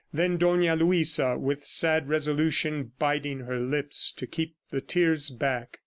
Then Dona Luisa, with sad resolution, biting her lips to keep the tears back.